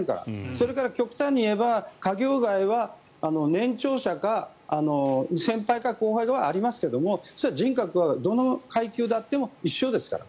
それから極端に言えば課業外は、年長者かどうか先輩か後輩ではありますがそれは人格はどの階級であってもいっしょですから。